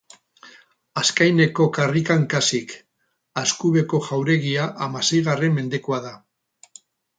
Azkaineko karrikan kasik, Azkubeko jauregia hamaseigarren mendekoa da.